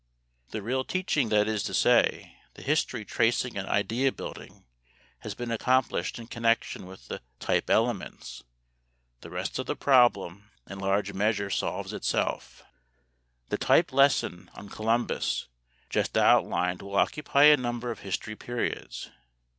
The real teaching, that is to say, the history tracing and idea building, has been accomplished in connection with the "type elements." The rest of the problem in large measure solves itself. The "type lesson" on Columbus just outlined will occupy a number of history periods.